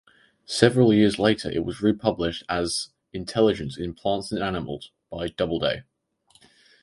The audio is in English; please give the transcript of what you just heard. Several years later it was republished as "Intelligence in Plants and Animals" by Doubleday.